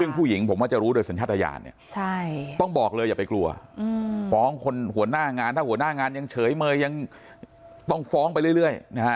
ซึ่งผู้หญิงผมว่าจะรู้โดยสัญชาติยานเนี่ยต้องบอกเลยอย่าไปกลัวฟ้องคนหัวหน้างานถ้าหัวหน้างานยังเฉยเมยยังต้องฟ้องไปเรื่อยนะฮะ